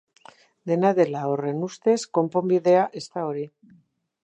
Dena dela, horren ustez, konponbidea ez da hori.